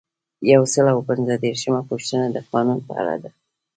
یو سل او پنځه دیرشمه پوښتنه د قانون په اړه ده.